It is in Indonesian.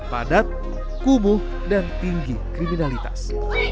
padat kumuh dan tinggi kriminalitas